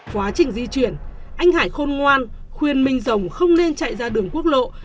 quá trình di chuyển anh hải khôn ngoan khuyên minh rồng không nên chạy ra đường quốc lộ